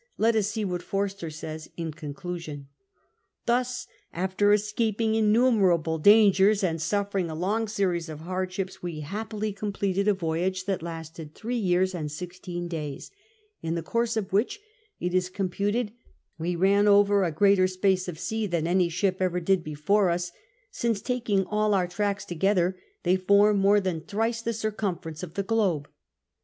Let us see what Forster says in conclusion. Thus^ after escaping innumerable dangers and suffering a long scries of hardships, we happily completed a voyage that lasted three years and sixteen days, in the course of which, it is computed, we ran over a greater space of sea than any ship ever did before us ; since, taking all our tracks together, they form more than thrice the circumfer ence of the globe.